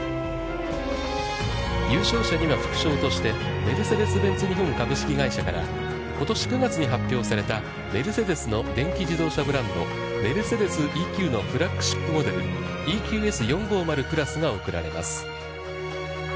優勝者には副賞として、メルセデス・ベンツ日本株式会社から、ことし９月に発表されたメルセデスの電気自動車ブランド「Ｍｅｒｃｅｄｅｓ−ＥＱ」のフラッグシップモデル「ＥＱＳ４５０＋」が贈られます。